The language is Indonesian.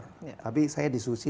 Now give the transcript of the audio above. tapi saya disusi